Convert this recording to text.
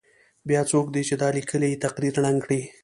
بیا څوک دی چې دا لیکلی تقدیر ړنګ کړي.